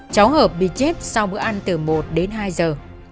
cháu hợp bị chết sau bữa ăn từ một đến hai giờ